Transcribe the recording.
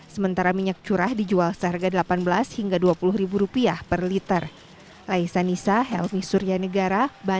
sementara minyak curah dijual seharga rp delapan belas hingga rp dua puluh per liter